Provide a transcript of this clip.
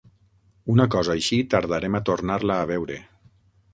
Una cosa així, tardarem a tornar-la a veure.